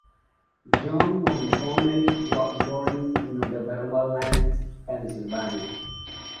John Montgomery was born in Northumberland, Pennsylvania.